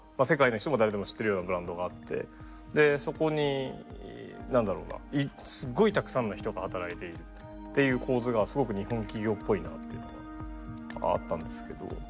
世界の人も誰でも知ってるようなブランドがあってそこにすっごいたくさんの人が働いているっていう構図がすごく日本企業っぽいなっていうのがあったんですけど。